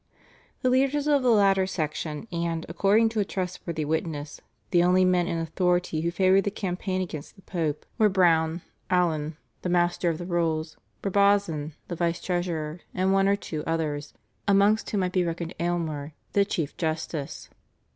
The leaders of the latter section, and, according to a trustworthy witness, the only men in authority who favoured the campaign against the Pope were Browne, Alen, the Master of the Rolls, Brabazon, the Vice Treasurer, and one or two others, amongst whom might be reckoned Aylmer the Chief Justice.